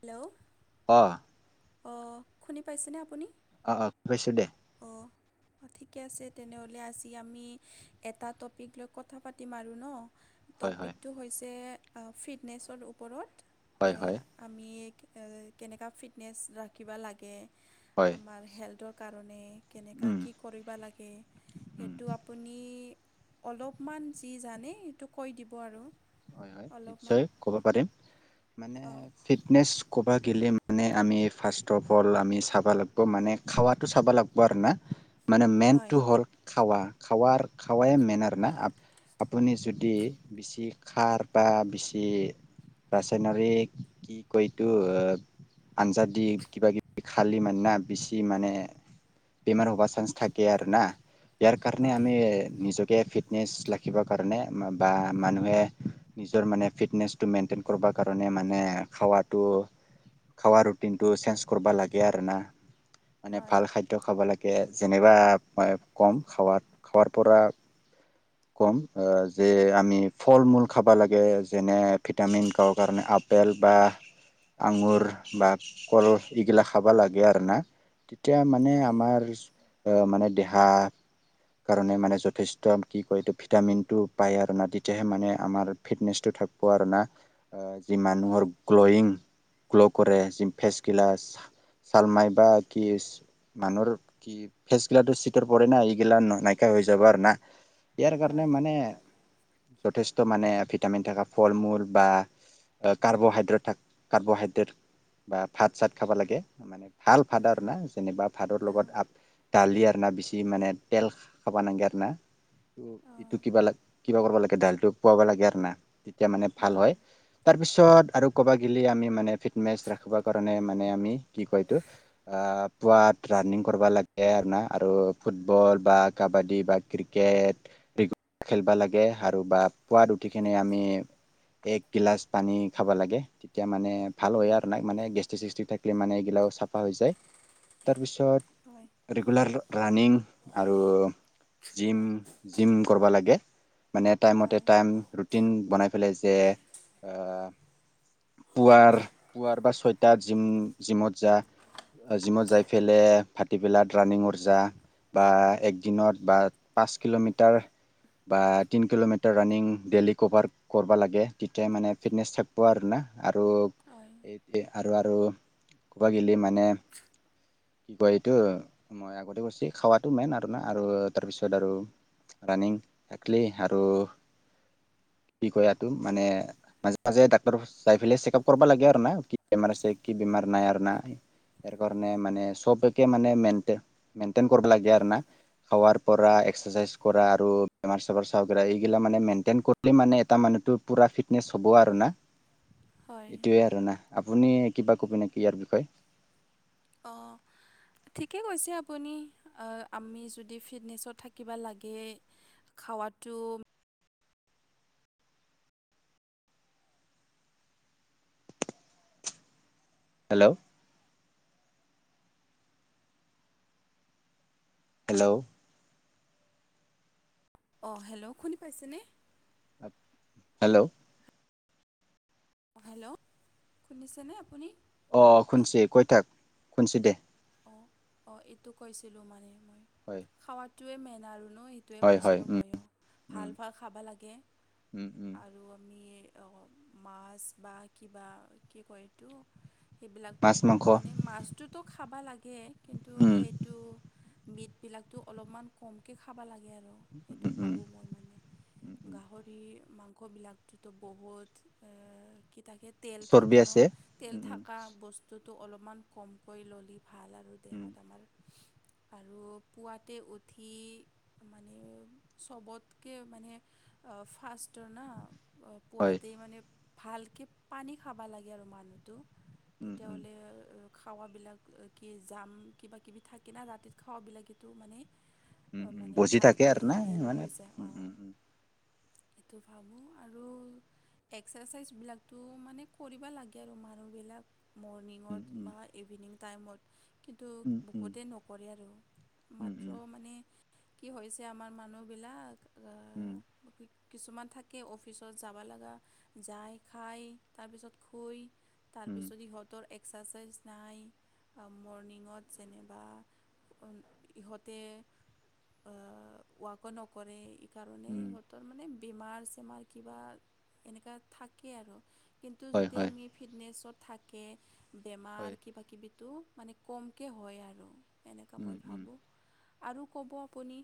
Hello অ অ শুনি পাইছেনে আপুনি অ অ পাইছো দে অ অ ঠিকে আছে তেনেহ'লে আজি আমি এটা টপিক লৈ কথা পাতিম আৰু ন হয় হয় টপিকটো হৈছে ফিটনেছৰ ওপৰত হয় হয় আমি কেনেকুৱা ফিটনেছ ৰাখিব লাগে হয় আমাৰ হেল্থৰ কাৰণে কেনেকুৱা উম কি কৰিব লাগে উম সেইটো আপুনি অলপমান যি জানে সেইটো কৈ দিব আৰু হয় হয় অলপমান নিশ্চয় কব পাৰিম মানে অঁ ফিটনেচ কব গ মানে আমি ফাৰ্ষ্ট অফ অল আমি চাব লাগিব মানে খাৱাতো চাব লাগিব আৰু না মানে মেন হয় টু হ'ৰ খাৱা খাৱাৰ খাৱাই মেন আৰু না আপুনি যদি বেছি খাৰ বা বেছি ৰাসায়নৰে কি কয়তটো আঞ্জা দি কিবা কিবি খালি মানে না বেছি মানে বমাৰ হ'বা চানস থাকে আৰু না ইয়াৰ কাৰণে হয় আমি নিজকে ফিটনেছ ৰাখিবৰ কাৰণে বা মানুহে নিজৰ মানে ফিটনেচটো মেইনটেইন কৰিব কাৰণে মানে খাৱটো খাৱা ৰুটিনটোটো চেঞ্জ কৰিবা লাগে আৰু না মানে হয় ভাল খাদ্য খাব লাগে যেনিবা ম কম খাৱাত খাৱোৱাৰ পৰা কম যে আমি ফল মূল খাবা লাগে যেনে ভিটামিন খ কাৰণে আপ আপেল বা আঙুৰ বা কল এইগিলা খাবা লাগে আৰু না এতিয়া মানে হয় আমাৰ মানে দেহা কাৰণে মানে যথেষ্ট কি কয় এইটো ভিটামিনটো পায় আৰু না তেতিয়াহে মানে আমাৰ ফিটনেচটো থাকিব আৰু না যি মানুহৰ হয় গ্লয়িং গ্ল' কৰে যি ফেচ ক্িলাছ ছালমাইবা কি মানুহৰ কি ফেচ গিলাো চিকৰ পৰে না এইগিলা নাইকিয়া হৈ যাব আৰু না ইয়াৰ কাৰণে হয় মানে যথেষ্ট মানে ভিটামিন থকা ফল মূল বা কাৰ্বহাইড্ৰেট থাক কাৰ্বহাইড্ৰেট বা ফাট চাত খাব লাগে মানে হাল ভাত আৰু উম না যেনিবা ভাদৰ লগত অঁ আ দালি আৰু বেছি মানে তেল খাবা নাগে আৰু না অঁ ইটো কিবা ল কিবা কৰিব লাগে কেডালটো পোৱাব লাগে আৰু না তেতিয়া মানে ভাল হয় তাৰপিছত আৰু ক'ৰবাত গিলি আমি মানে ফিটনেছ ৰাখিবৰ কাৰণে মানে আমি কি কয় এইটোক, আ পুৱাত ৰানিং ক'ৰবা লাগে না আৰু ফুটবল ফুটবল বা কাবাডী বা ক্ৰিকেট খেলবা লাগে আৰু বা পোৱাত উঠি কিনে আমি এক গিলাচ পানী খাব লাগে, তেতিয়া মানে ভাল হয় আৰু ন মানে গেষ্টিক- চেষ্টিক থাকিলে মানে এইগিলাওঁ চাফা হৈ যায়। তাৰ পিছত হয় তাৰপিছত ৰেগুলাৰ ৰাণিং আৰু জিম। জিম কৰিবা লাগে। মানে টাইমতে হয় টাইম ৰুটিন বনাই পেলাই যে পুৱাৰ পুৱাৰ বা ছয়টা জিম জিমত যা, জিমত যাই ফেলে ভাটি বেলাত ৰানিংত যা। বা এক দিনত বা পাঁচ কিলোমিটাৰ বা তিন কিলোমিটাৰ ৰাণিং ডেইলি কভাৰ কৰিবা লাগে, তেতিয়া মানে ফিটনেছ থাকিব আৰু না। আৰু হয় আৰু আৰু ক'বা গেলি মানে কি কয় এইটো মই আগতে কৈছো, খাৱটো মেইন আৰু ন, আৰু তাৰপিছত আৰু ৰানিং একলি আৰু [inaudible] কি কয় এইটো মানে মাজে মাজে ডাক্তৰত যাই পেলে চেকআপ কৰিবা লাগে, আৰু না কি বেমাৰ আছে কি বেমাৰ মাৰ নাই আৰ নাই [unintelligible] ইাৰ কাৰণে মানে, চবকে মানে মেইনটেইন মেইনটেইন কৰিব লাগে আৰু না। হাৱাৰ পৰা এক্সাৰচাইজ কৰা আৰু বেমাৰ - চেমাৰ চাব পৰা, এইগিলা মানে মেইনটেইন কৰিলে মানে এটা মানুহটো পুৰা ফিটনেছ হ'ব আৰু না। [inaudible] এইটোৱে আৰু না আপুনি কিবা ক'ব নেকি ইয়াৰ বিষয়ে? অঁ, ঠিকে কৈছে আপুনি, আমি যদি ফিটনেছত থাকিব লাগে, খাৱটো হেল্ল', হেল্ল', অঁ হেল্ল' শুনি পাইছেনে? হেল্ল', অঁ হেল্ল' শুনিছেনে আপুনি? অঁ মাতটো শুনিছোঁ কৈ থাক শুনিছোঁ দে। অঁ অঁ এইটো কৈছিলোঁ মানে মই হয় খোৱাটোৱে মেইন আৰু। নো সেইটোৱে হয় হয় কৈছিলোঁ, উম ময়ো উম ভাল ভাল খাব লাগে উম উম আৰু আমি মাছ বা কিবা কি কয় এইটো সেইবিলাকতো, মাছ মাংস মানে মাছটোতো ল কিন্তু উম সেইটো বিটবিলাকতটো অলপমান কমকে খাব লাগে আৰু। এইটো উম উম [unintelligible] উম উম গাহৰি মাংস ইবিলাকতো বহুত এ ক তাক তেল চৰ্বি থাকে ন? আছে তেল উম উম থকা বস্তুটো অলপমান কমকৈ ল'লো। ভাল আৰু উম দেহাত আমাৰ। আৰু পুৱাতে উঠি মানে চবতকে মানে ফা্ষষ্টটৰ না। হয় পুৱাতে মানে ভালকৈ পানী খাব লাগে আৰু মানুহটো। উম উম তেতিয়াহ'লে খাৱাবিলাক কি জাম কিবা কিবি থাকে না ৰাতিত খাওঁবিলাকো মানে উম উম মানে বজি থাকে ভালকে আৰু না হেৰি মানে হৈছে। উম অঁ, উম এইটো ভাবোঁ আৰু এক্সাৰচাইজবিলাকতো মানে কৰিব লাগে আৰু মানুহবিলাক। উম মৰ্ণিঙত বা ইভিনিং টাইমত। কিন্তু উম উম বহুতেই নকৰে আৰু উম উম উম উম মাত্ৰ মানে কি হৈছে আমাৰ মানুহবিলাক উম। কিছুমান থাকে অফিচত যাব লাগা, যায় খাই তাৰপিছত শুই উম তাৰপিছত সিহঁতৰ এক্সাৰচাইজ নাই। মৰ্ণিঙত যেনিবা ইহঁতে ৱাকো নকৰে সেইকাৰণে উম ইহঁতৰ মানে বেমাৰ চেমাৰ কিবা এনেকা থাকে আৰু। কিন্তু হয় যদি হয় আমি ফিটনেছত থাকে, হয় বেমাৰ কিবাকিবি টো মানে কমকে হয়, আৰু এনেকা উম মই উম ভাবোঁ। আৰু ক'ব আপুনি?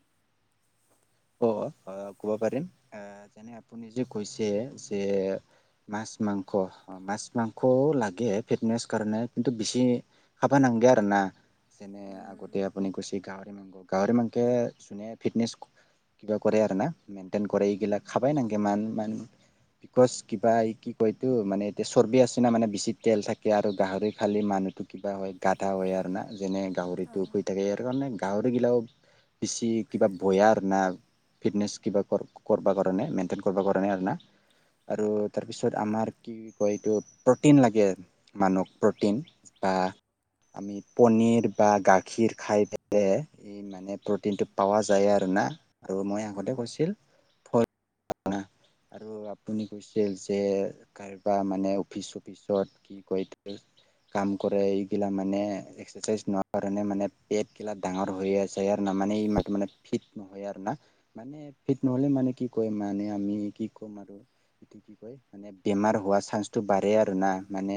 অ', অ', ক'ব পাৰিম এ, যেনে আপুনি যে কৈছে যে মাছ মাংস অ', মাছ মাংসও লা গে ফিটনেচ কাৰণে কিন্তু বেছি খাবা নাংগে আৰু না। যেনে উম, আগতে আপুনি কৈছে গাহৰি মাংস, গাহৰি মাংসে যোনে ফিটনেচ কিবা কৰে আৰু না মেইনটেইন কৰে, উম, এইগিলাক খাবাই নাংগে মান-মান [unintelligible] বিকজ কিবা এই কি কয়তো মানে এতিয়া চৰ্বি আছে না মানে বেছি তেল থাকে আৰু গাহৰি খালে মানুহটো কিবা হয়, গাধা হয়, আৰু না যেনে গাহৰিটো শুই অঁ থাকে আৰু মানে গাহৰিগিলাও বেছি কিবা বয়াৰ না ফিটনেছ কিবা কৰ-কৰবা কাৰণে মেইনটেইন কৰবা কাৰণে আৰু না। আৰু তাৰপিছত আমাৰ কি কয় এইটো প্ৰ'টিন লাগে মানুহক প্ৰ'টিন। বা আমি পনীৰ বা গাখীৰ খাই [unintelligible] এই মানে প্ৰ'টিনটো পোৱা যায় আৰু না আৰু মই আগতে উম, কৈছিল [unintelligible] আৰু আপুনি কৈছিল যে কাৰবা মানে অফিচ চফিচত কি কয় এইটো কাম কৰে এইগিলা মানে এক্সাৰচাইজ নোহোৱাৰ কাৰণে মানে পেটগিলা ডাঙৰ হৈ আছে ন মানে এই মানুহ মানে ফিট নহ য় আৰু না। মানে ফিট নহ'লে মানে কি কয় মানে আমি কি ক'ম আৰু এইটো কি কয় মানে বেমাৰ হোৱা চান্সটো বাঢ়েই আৰু না, মানে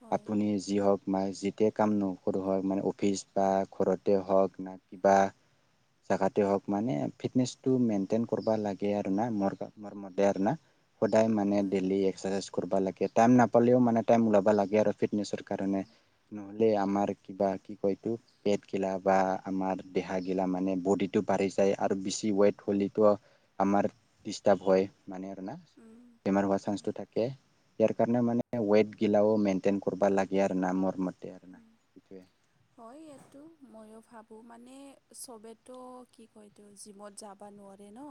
হয় আপুনি যি হওঁক [unintelligible] [unintelligible] কাম নকৰোঁ হয়, মানে অফিচ বা ঘৰতে হওঁক না কিবা জেগাতে হওঁক মানে ফিটনেচটো উম, মেইনটেইন কৰবা লাগে আৰু না, মোৰ ম-মতে আৰু না। সদায় মানে হয় ডেইলি এক্সাৰচাইজ কৰবা লাগে। টাইম নাপালেওঁ মানে টাইম ওলাবা লাগে আৰু ফিটনেছৰ অঁ কাৰণে। নহ'লে আমাৰ কিবা কি কয়তো পেটগিলা বা আমাৰ দেহাগিলা মানে বডীটো বাঢ়ি যায় আৰু বেছি ৱেট হ'লেতো আমাৰ ডিষ্টাৰ্ব হয়। মানে আৰু না, উম, বেমাৰ হোৱা হয়। চেন্সটো থাকে। ইয়াৰ কাৰণে মানে ৱেটগিলাও মেইনটেইন কৰিব লাগে আৰু না মোৰ মতে। আৰু না। সেইটোৱে হয়, এইটো ময়ো ভাব [unintelligible] মানে চবেতো কি কয়তো জিমত যাবা নোৱাৰে ন!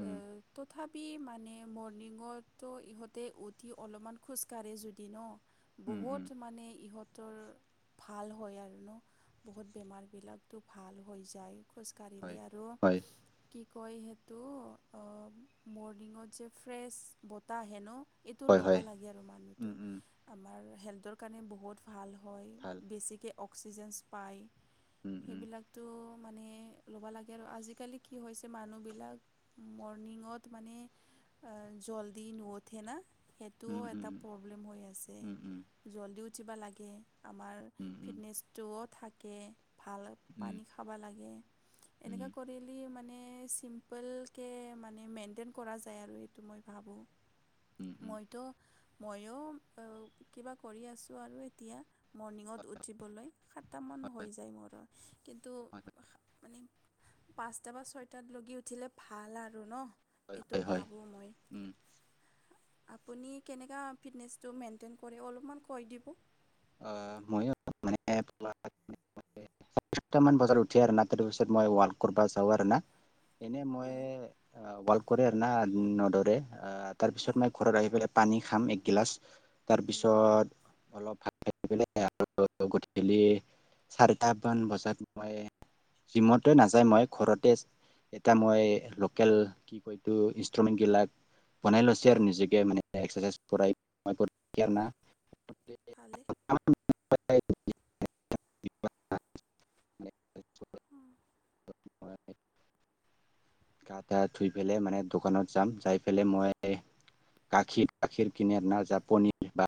উম তথা পি মানে মৰ্ণিঙতো ইহঁতে উঠি অলপমান খোজকাঢ়ে যদি ন! উম বহুত উম মানে ইহঁত [unintelligible] ভাল হয় আৰু ন, বহুত বেমাৰবিলাকতো ভাল হৈ যায়। খোজকাঢ়িলে হয় আৰু হয় কি কয় সেইটো মৰ্ণিংত যে ফ্ৰেছ বতাহ আহে ন! এইটো হয় ল'বা হয়। লাগে আৰু উম, মানুহটো, উম, আমাৰ হেল্থৰ কাৰণে বহুত [unintelligible] ভাল। বেছিকৈ অক্সিজেনছ পায়, উম, উম, সেইবিলাকতো মানে ল'ব লাগে আৰু আজিকালি কি হৈছে মানুহবিলাক মৰ্ণিঙত মানে জলদি ন থে ন সেইটোও উম, এটা উম, প্ৰব্লেম হৈ আছে উম, উম, জল্দি উঠিব লাগে আমাৰ উম, ফিটনেছটোও থাকে ভাল উম, উম, পানী খাব লাগে এনেকুৱা উম, কৰিলে মানে চিম্পলকে মানে মেইনটেইন কৰা যায় আৰু এইটো মই ভাবোঁ উম, উম, মইতো মইও আৰু কিবা কৰি আছো আৰু এতিয়া মৰ্ণিঙত উঠিবলৈ সাতটামান হয়, হৈ যায় মোৰো টো হয়, মানে পাঁচটা বা ছয়টাত লগি উঠিলে ভাল আৰু ন হয় এইটো হয় হয় ভাবোঁ মই আপুনি কেনেকুৱা ফিটনেচটো মেইনটেইন কৰে অলপমান কৈ দিব অ মইও মানে ছয়টামান বজাত উঠি আৰু না তাৰপিছত মই ৱাক কৰিব যাওঁ আৰু না এনে মই অঁ ৱাক কৰে আৰু না নোদৌৰে তাৰপিছত অঁ মই ঘৰত আহি পেলাই পানী খাম একগিলাচ তাৰপিছত অলপ ভাত খাই কেনে পেলে আৰু গধূলি চাৰিটামান বজাত মই জিমতে নাযায় মই ঘৰতে এটা মই লোকেল কি কয় ইনষ্ট্ৰুমেণ্টবিলাক বনোই লৈছে আৰু অঁ নিজে মানে এক্সাৰচাইজ কৰাই [unintelligible] ভালেই [unintelligible] [unintelligible] হয় গা পা ধুই পেলাই মানে দোকানত যাম যাই পেলাই মই গাখীৰ গাখীৰ কিন না [unintelligible] পনীৰ বা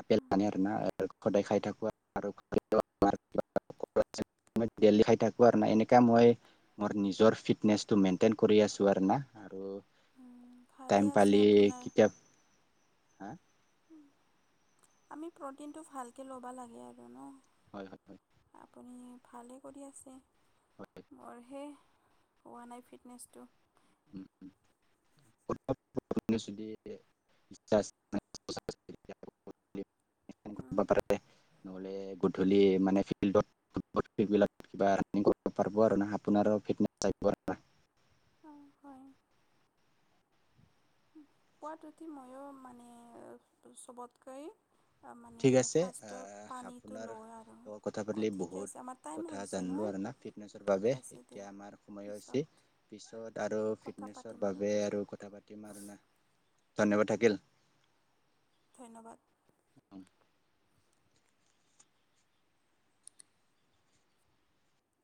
আপেল পানিৰ আৰু না সদায় খাই থাকো আৰু [inaudible] ডেইলী খাই থাকো আৰু না এনেকা মই মোৰ নিজৰ ফিটনেচটো মেইনটেইন কৰি আছোঁ আৰু না ভালেই টাইম আছে পালি আপোনাৰ কিতাপ হা আমি প্ৰটিনটো ভালকৈ ল'ব লাগে আৰু ন হয় হয় হয় আপুনি ভালেই কৰি আছে মোৰ হে হোৱা নাই ফিটনেছটো [unintelligible] [unintelligible] নহলে গধূলি মানে ফিল্ডত কিবা ৰানিং কৰিব পাৰবো আৰু না আপোনাৰো ফিটনেচ [inaudible] পোৱাত উঠি মইও মানে চবতকৈ ঠিক মানে আছে ফাৰ্ষ্টত পানীটো আপোনাৰ লয় আৰু লগত কথা অঁ পাতিলি ঠিকে বহুত আছে আমাৰ টাইম কথা হৈছে জানিলো ন ফিটনেছৰ ঠিক বাবে আছে দিয়া এতিয়া আমাৰ সময় পিছত হৈছে পিছত ত আৰু কথা পাতিম ফিটনেছৰ বাবে পিছত আৰু কথা পাতিম আৰু না ধন্যবাদ থাকিল ধন্যবাদ [inaudible]